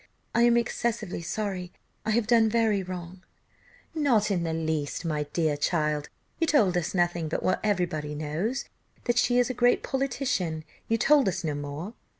I am excessively sorry; I have done very wrong." "Not the least, my dear child; you told us nothing but what everybody knows that she is a great politician; you told us no more."